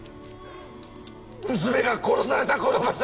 娘が殺されたこの場所で！